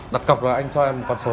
đặt cọc là anh cho em một con số